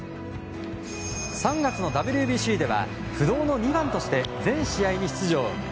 ３月のＷＢＣでは不動の２番として全試合に出場。